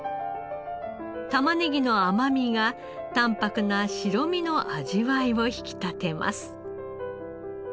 タマネギの甘みが淡泊な白身の味わいを引き立てます。